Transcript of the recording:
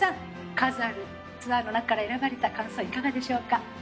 数あるツアーの中から選ばれた感想いかがでしょうか？